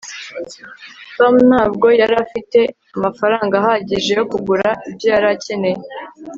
tom ntabwo yari afite amafaranga ahagije yo kugura ibyo yari akeneye